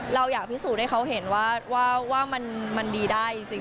เราอยากพิสูจน์ให้เขาเห็นว่ามันดีได้จริง